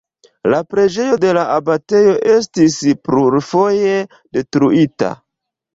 La preĝejo de la abatejo estis plurfoje detruita.